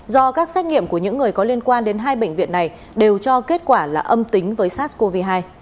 do các xét nghiệm của những người có liên quan đến hai bệnh viện này đều cho kết quả là âm tính với sars cov hai